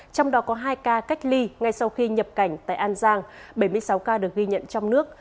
trong đó có hai ca cách ly ngay sau khi nhập cảnh tại an giang bảy mươi sáu ca được ghi nhận trong nước